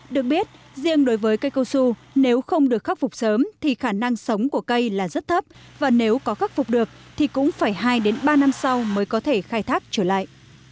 được biết riêng đối với cây cao su nếu không được khắc phục sớm thì khả năng sống của cây là rất thấp và nếu có khắc phục được thì cũng phải hai ba năm sau mới có thể khai thác trở lại